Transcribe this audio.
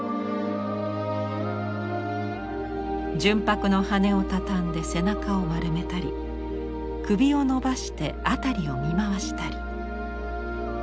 純白の羽を畳んで背中を丸めたり首を伸ばして辺りを見回したり。